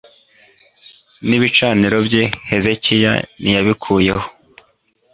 n ibicaniro bye hezekiya ntiyabikuyeho